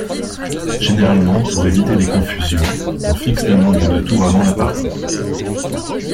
Généralement, pour éviter les confusions, on fixe le nombre de tours avant la partie.